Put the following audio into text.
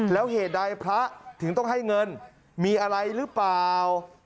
แล้วเหตุใดพระถึงต้องให้เงินมีอะไรหรือเปล่า